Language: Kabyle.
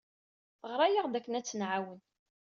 Teɣra-aɣ-d akken ad tt-nɛawen.